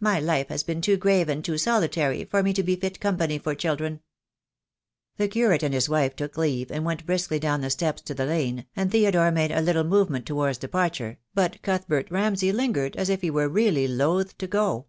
My life has been too grave and too solitary for me to be fit company for children." The Curate and his wife took leave and went briskly down the steps to the lane, and Theodore made a little movement towards departure, but Cuthbert Ramsay lingered, as if he were really loth to go.